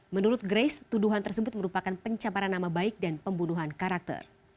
menurut grace tuduhan tersebut merupakan pencamparan nama baik dan pembunuhan karakter